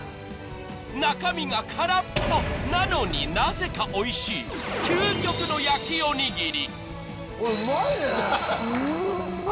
中身がからっぽなのになぜかおいしい究極の焼きおにぎりうんま！